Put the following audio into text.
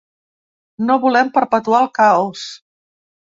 No volem perpetuar el caos.